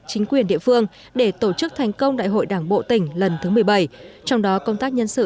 chính quyền địa phương để tổ chức thành công đại hội đảng bộ tỉnh lần thứ một mươi bảy trong đó công tác nhân sự